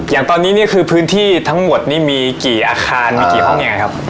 อย่างตอนนี้เนี่ยคือพื้นที่ทั้งหมดนี่มีกี่อาคารมีกี่ห้องยังไงครับ